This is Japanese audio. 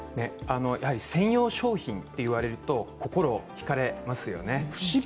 専用商品と言われると心引かれますよね。